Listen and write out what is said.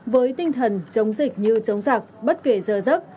với tinh thần chống dịch như chống giặc bất kể giờ giấc